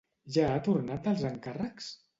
Ja ha tornat dels encàrrecs?